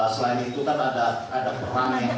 selain itu kan ada peran yang berlaku